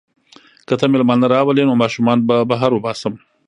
که ته مېلمانه راولې نو ماشومان به بهر وباسم.